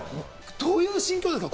どういう心境ですか？